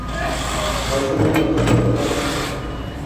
Fue el segundo obispo de Rochester.